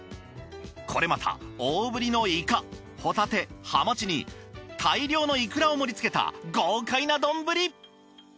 これまた大ぶりのイカホタテハマチに大量のイクラを盛り付けた豪快な丼！